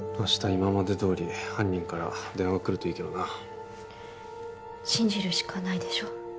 今までどおり犯人から電話来るといいけどな信じるしかないでしょ